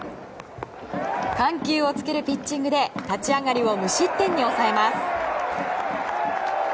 緩急をつけるピッチングで立ち上がりを無失点に抑えます。